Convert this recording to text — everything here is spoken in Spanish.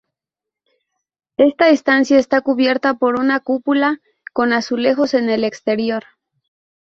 Esta estancia está cubierta por una cúpula con azulejos en el exterior.